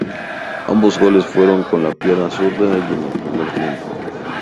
Ambos goles fueron con la pierna zurda y en el primer tiempo.